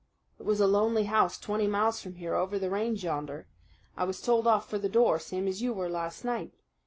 "It was a lonely house, twenty miles from here, over the range yonder. I was told off for the door, same as you were last night.